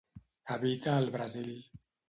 Habita al Brasil.